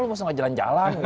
lu masa nggak jalan jalan gitu